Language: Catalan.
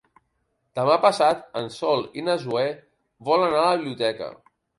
Demà passat en Sol i na Zoè volen anar a la biblioteca.